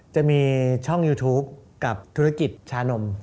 จะมีช่องยูทูปกับธุรกิจชานม